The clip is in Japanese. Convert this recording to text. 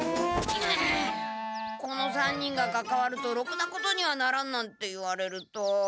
「この３人がかかわるとろくなことにはならん」なんて言われると。